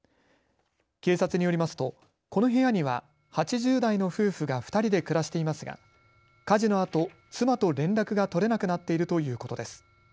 警察によりますとこの部屋には８０代の夫婦が２人で暮らしていますが火事のあと妻と連絡が取れなくなっているということです。